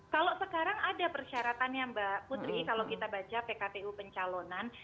kalau sekarang ada persyaratannya mbak putri kalau kita baca pkpu pencalonan